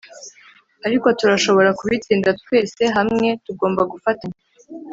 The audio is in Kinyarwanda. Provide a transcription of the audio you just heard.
ariko turashobora kubitsinda, twese hamwe tugomba gufatanya